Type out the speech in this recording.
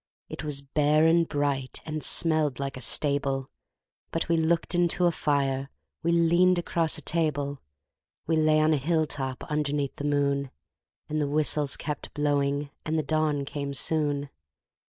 It was bare and bright, and smelled like a stable But we looked into a fire, we leaned across a table, We lay on a hilltop underneath the moon; And the whistles kept blowing, and the dawn came soon.